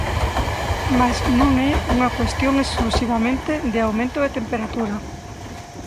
Mais non é unha cuestión exclusivamente de aumento da temperatura.